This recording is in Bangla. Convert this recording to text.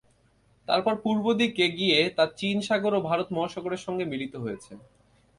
তারপর পূর্ব দিকে গিয়ে তা চীন সাগর ও ভারত মহাসাগরের সঙ্গে মিলিত হয়েছে।